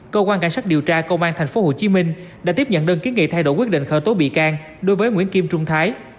cơ quan cảnh sát điều tra công an tp hcm đã tiếp nhận đơn kiến nghị thay đổi quyết định khởi tố bị can đối với nguyễn kim trung thái